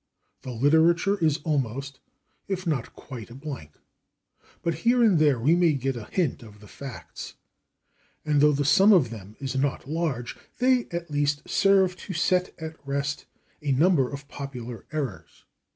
The literature is almost, if not quite a blank. But here and there we may get a hint of the facts, and though the sum of them is not large, they at least serve to set at rest a number of popular errors.